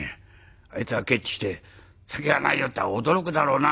あいつが帰ってきて『酒がないよ』って言ったら驚くだろうな。